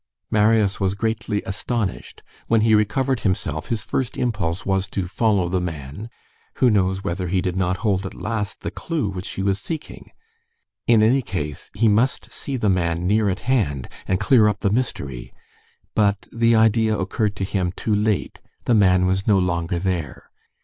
Marius was greatly astonished. When he recovered himself, his first impulse was to follow the man; who knows whether he did not hold at last the clue which he was seeking? In any case, he must see the man near at hand, and clear up the mystery. But the idea occurred to him too late, the man was no longer there.